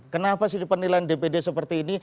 kenapa sih penilaian dpd seperti ini